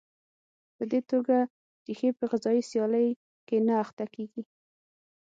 په دې توګه ریښې په غذایي سیالۍ کې نه اخته کېږي.